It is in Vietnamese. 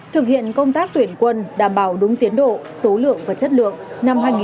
thực hiện công tác tuyển quân đảm bảo đúng tiến độ số lượng và chất lượng